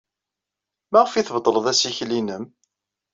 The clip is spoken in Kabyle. Maɣef ay tbeṭleḍ assikel-nnem?